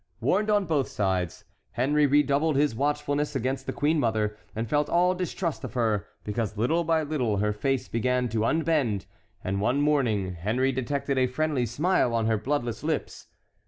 Warned on both sides, Henry redoubled his watchfulness against the queen mother and felt all distrust of her because little by little her face began to unbend, and one morning Henry detected a friendly smile on her bloodless lips.